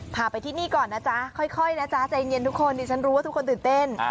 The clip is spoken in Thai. พาไปที่นี่ก่อนนะจ๊ะค่อยนะจ๊ะใจเย็นทุกคนดิฉันรู้ว่าทุกคนตื่นเต้น